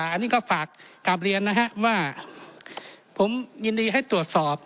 อันนี้ก็ฝากกลับเรียนนะฮะว่าผมยินดีให้ตรวจสอบ